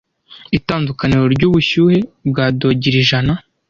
Itandukaniro ryubushyuhe bwa dogire ijana